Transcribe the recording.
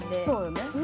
そうよね。